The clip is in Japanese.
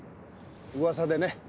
噂でね。